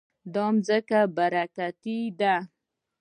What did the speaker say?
دا ځمکه برکتي ده.